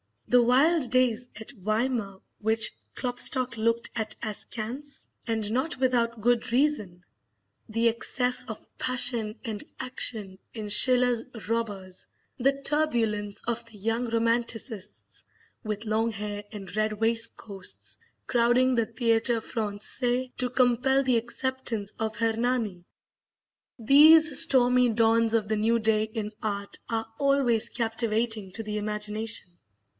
The wild days at Weimar which Klopstock looked at askance, and not without good reason; the excess of passion and action in Schiller's "Robbers;" the turbulence of the young Romanticists, with long hair and red waistcoats, crowding the Theatre Francais to compel the acceptance of "Hernani," these stormy dawns of the new day in art are always captivating to the imagination.